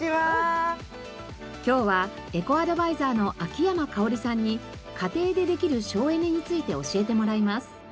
今日はエコアドバイザーの秋山香織さんに家庭でできる省エネについて教えてもらいます。